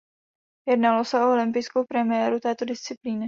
Jednalo se o olympijskou premiéru této disciplíny.